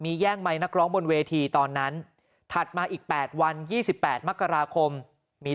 แย่งไมค์นักร้องบนเวทีตอนนั้นถัดมาอีก๘วัน๒๘มกราคมมี